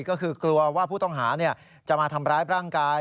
ก็คือกลัวว่าผู้ต้องหาจะมาทำร้ายร่างกาย